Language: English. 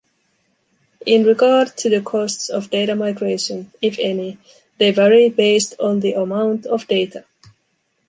In regard to the costs of data migration, if any, they vary based on the amount of data.